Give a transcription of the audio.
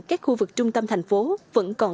các khu vực trung tâm thành phố vẫn còn